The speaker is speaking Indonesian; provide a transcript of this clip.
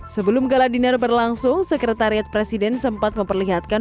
sebelum galadiner berlangsung sekretariat presiden sempat memperlihatkan